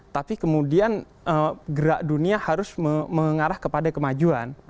tapi kemudian gerak dunia harus mengarah kepada kemajuan